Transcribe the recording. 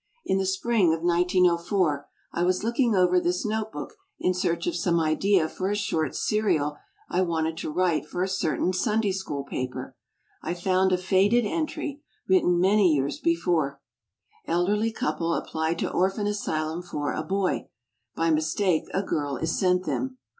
In the spring of 1904 I was looking over this notebook in search of some idea for a short serial I wanted to write for a certain Sunday School paper. I found a faded entry, written many years before: "Elderly couple apply to orphan asylum for a boy. By mistake a girl is sent them."